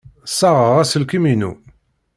Ssaɣeɣ aselkim-inu.